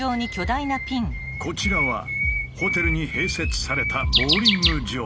こちらはホテルに併設されたボウリング場。